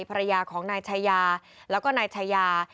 ภรรยาของนายชายาแล้วก็นายชายา